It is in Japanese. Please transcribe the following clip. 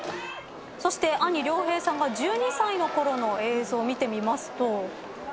そして兄凌平さんが１２歳のころの映像見てみますと。